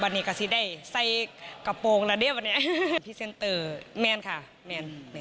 วันนี้ก็ซิด้ายใส่กระโปรงละแด้วเนี้ยปิเซ็นเตอร์แมนค่ะแมน